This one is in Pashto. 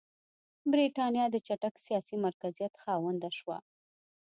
برېټانیا د چټک سیاسي مرکزیت خاونده شوه.